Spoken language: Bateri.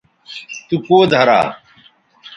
تو کوؤ دھرا